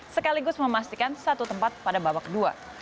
sekaligus memastikan satu tempat pada babak kedua